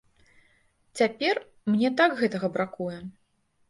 Цяпер мне так гэтага бракуе.